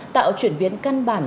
tạo chuyển biến căn bản